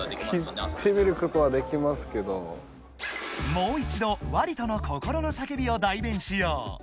［もう一度ワリトの心の叫びを代弁しよう］